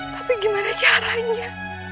tapi gimana caranya